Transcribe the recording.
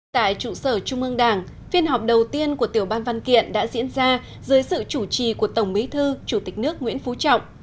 tại trụ sở trung ương đảng phiên họp đầu tiên của tiểu ban văn kiện đã diễn ra dưới sự chủ trì của tổng bí thư chủ tịch nước nguyễn phú trọng